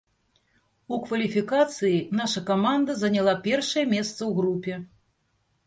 У кваліфікацыі наша каманда заняла першае месца ў групе.